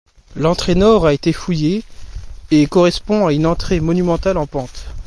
L'entrée nord a été fouillée, et correspond à une entrée monumentale en pente.